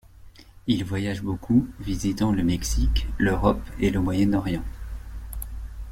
Il voyage beaucoup, visitant le Mexique, l'Europe et le Moyen-Orient.